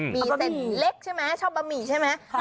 มีเส้นเล็กใช่ไหมชอบบะหมี่ใช่ไหม